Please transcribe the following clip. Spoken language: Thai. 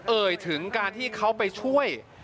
เอ่ยถึงการที่เขาไปช่วย